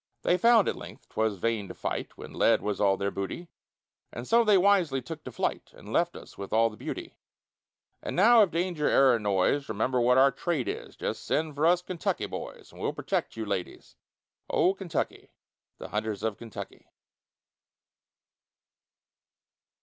They found, at length, 'twas vain to fight, When lead was all their booty, And so they wisely took to flight, And left us all the beauty. And now, if danger e'er annoys, Remember what our trade is; Just send for us Kentucky boys, And we'll protect you, ladies: Oh! Kentucky, The hunters of Kentucky.